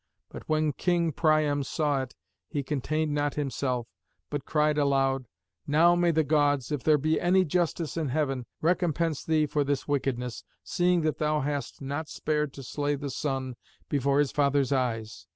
But when King Priam saw it he contained not himself, but cried aloud, "Now may the gods, if there be any justice in heaven, recompense thee for this wickedness, seeing that thou hast not spared to slay the son before his father's eyes.